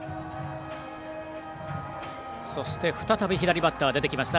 そして、再び左バッターが出てきました。